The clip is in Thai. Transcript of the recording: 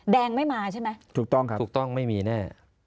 แดงไม่มาใช่ไหมถูกต้องไม่มีแน่